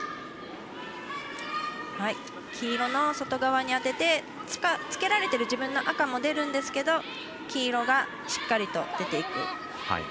黄色の外側に当ててつけられている自分の赤も出るんですけど黄色がしっかりと出ていく。